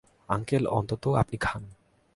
Uncle, অন্তত আপনি খান।